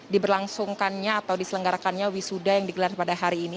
diberlangsungkannya atau diselenggarakannya wisuda yang digelar pada hari ini